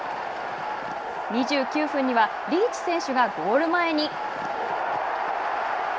２９分にはリーチ選手がゴール前に。